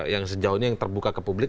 yang sejauh ini yang terbuka ke publik